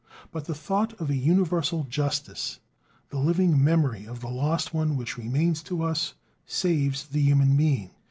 But the thought of a universal justice, the living memory of the lost one which remains to us, saves the human being.